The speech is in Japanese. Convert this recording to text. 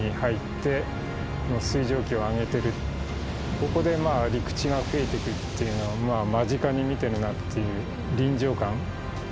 ここでまあ陸地がふえてくっていうのを間近に見てるなっていう臨場感。